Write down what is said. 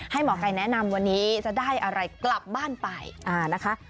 หมอไก่แนะนำวันนี้จะได้อะไรกลับบ้านไปนะคะ